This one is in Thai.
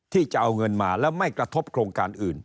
จะเอาเงินมาแล้วไม่กระทบโครงการอื่น